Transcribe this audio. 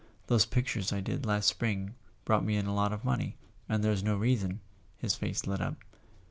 Those pictures I did last spring brought me in a lot of money, and there's no reason " His face lit up.